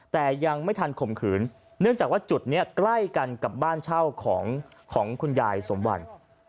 แต่ยังไม่ทันข่มขืนเนื่องจากว่าจุดนี้ใกล้กันกับบ้านเช่าของคุณยายสมวัน